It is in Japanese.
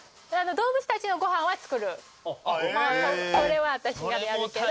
それは私がやるけど。